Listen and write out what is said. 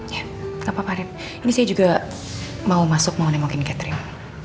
ya gapapa ini saya juga mau masuk mau nemokin catherine